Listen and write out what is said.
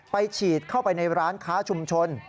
ฉีดเข้าไปในร้านค้าชุมชน